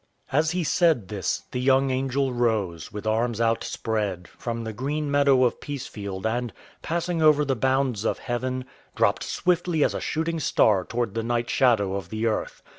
As he said this, the young angel rose, with arms outspread, from the green meadow of Peacefield and, passing over the bounds of Heaven, dropped swiftly as a shooting star toward the night shadow of the Earth.